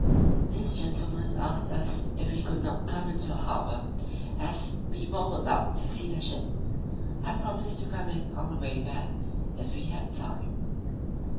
This gentleman asked us if we could not come into the harbour, as "people would like to see the ship." I promised to come in on the way back, "if we had time."